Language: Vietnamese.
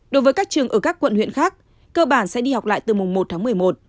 đối với các trường ở các quận huyện khác cơ bản sẽ đi học lại từ mùng một tháng một mươi một